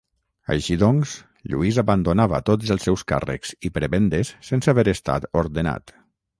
Així doncs, Lluís abandonava tots els seus càrrecs i prebendes sense haver estat ordenat.